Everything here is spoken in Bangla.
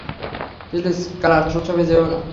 প্লিজ, কালাশ উৎসবে যেও না।